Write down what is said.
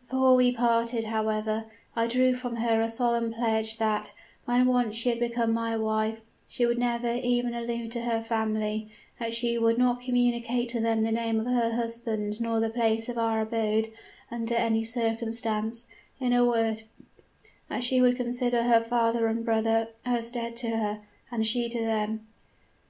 "Before we parted, however, I drew from her a solemn pledge that, when once she had become my wife, she would never even allude to her family that she would not communicate to them the name of her husband nor the place of our abode, under any circumstance in a word, that she would consider her father and brother as dead to her, and she to them.